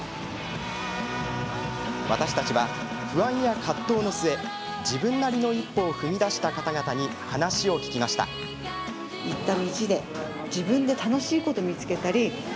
私たちは、不安や葛藤の末自分なりの一歩を踏み出した方々に話を聞きました。